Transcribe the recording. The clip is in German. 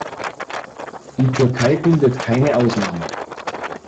Die Türkei bildet keine Ausnahme.